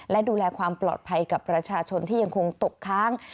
และดูแลความปลอดภัยกับประชาชนที่ยังคงตกค้าง